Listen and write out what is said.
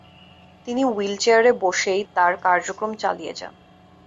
তিনি হুইলচেয়ার বসেই তার কার্যক্রম চালিয়ে যান।